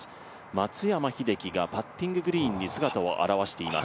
松山英樹がパッティンググリーンに姿を現しています。